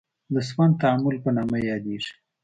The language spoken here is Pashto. د سون تعامل په نامه یادیږي.